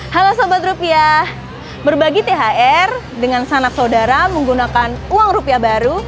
halo sobat rupiah berbagi thr dengan sanak saudara menggunakan uang rupiah baru